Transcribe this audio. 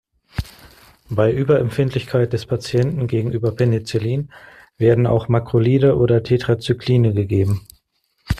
Bei Überempfindlichkeit des Patienten gegenüber Penicillin werden auch Makrolide oder Tetracycline gegeben.